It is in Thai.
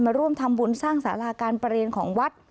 มาร่วมทำบุญสร้างสาราการประเรียนของวัด